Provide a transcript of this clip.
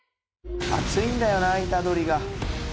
熱いんだよな虎杖が。